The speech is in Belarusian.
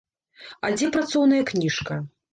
А дзе працоўная кніжка?